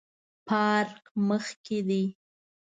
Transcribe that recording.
پارک مخ کې دی